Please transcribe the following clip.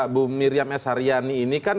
bu miriam s haryani ini kan